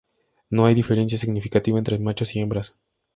No hay diferencia significativa entre machos y hembras.